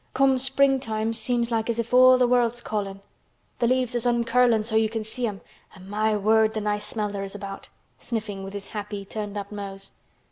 Come springtime seems like as if all th' world's callin'. The leaves is uncurlin' so you can see 'em—an', my word, th' nice smells there is about!" sniffing with his happy turned up nose.